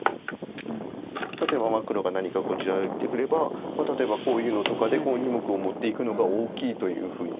例えば黒が何かこちら打ってくれば例えばこういうのとかでこの２目を持っていくのが大きいというふうに見ました。